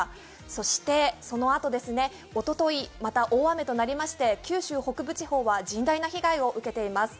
そしてそのあと、おととい、また大雨となりまして九州北部地方は甚大な被害を受けています。